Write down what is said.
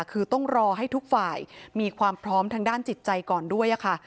คือต้องรอให้ทุกฝ่ายมีความพร้อมทางด้านจิตใจก่อนด้วยค่ะ